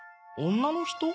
女の人？